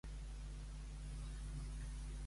Ha escrit algun text de dramatúrgia?